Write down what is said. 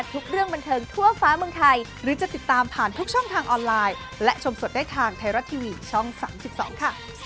ทุกเรื่องบรรเทิร์นบรรเทิร์นไทยรัก